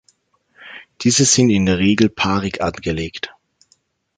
Diese sind in der Regel paarig angelegt.